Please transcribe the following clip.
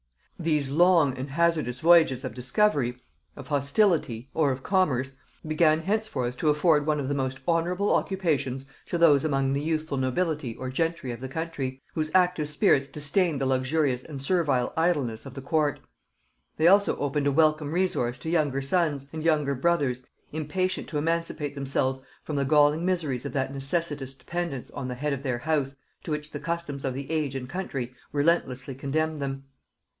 These long and hazardous voyages of discovery, of hostility, or of commerce, began henceforth to afford one of the most honorable occupations to those among the youthful nobility or gentry of the country, whose active spirits disdained the luxurious and servile idleness of the court: they also opened a welcome resource to younger sons, and younger brothers, impatient to emancipate themselves from the galling miseries of that necessitous dependence on the head of their house to which the customs of the age and country relentlessly condemned them.